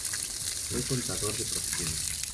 Fue contador de profesión.